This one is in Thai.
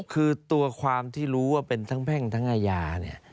คือตัวความที่รู้ว่าเป็นทั้งแพ่งทั้งอาญาเนี่ย